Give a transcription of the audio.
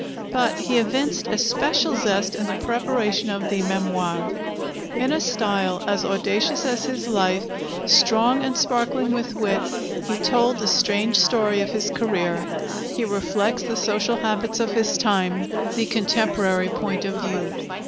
But he evinced especial zest in the preparation of the 'Memoires.' In a style as audacious as his life, strong and sparkling with wit, he told the strange story of his career. He reflects the social habits of his time, the contemporary point of view.